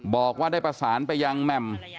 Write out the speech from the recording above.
บอกว่าได้ประสานไปยังแหม่ม